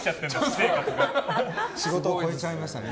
仕事を超えちゃいましたね。